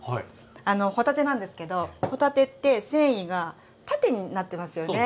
あの帆立てなんですけど帆立てって繊維が縦になってますよね。